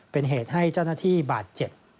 เป็นเหตุให้เจ้าหน้าที่บาดเจ็บ